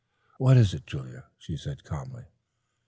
"What is it, Julia?" she said calmly.